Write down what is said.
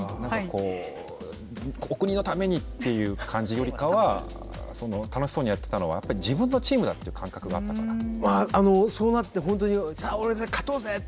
お国のためにという感じよりかは楽しそうにやってたのは自分のチームだという感覚が本当に勝とうぜって